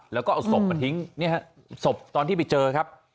แล้วก็เอาศพมาทิ้งศพตอนที่ไปเจอครับ